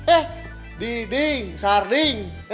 eh diding sarding